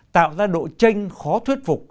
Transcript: tạo ra độ tranh khó thuyết phục